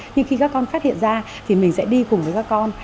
nhưng khi các con phát hiện ra thì mình sẽ đi cùng với các con